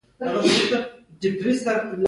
دوی په فارسي ښه پاخه اشعار لیکلي دي.